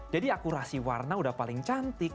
jadi akurasi warna udah paling cantik